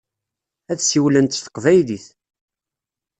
Ad siwlent s teqbaylit.